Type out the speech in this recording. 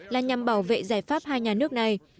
là nhằm bảo vệ giải pháp hai nhà nước này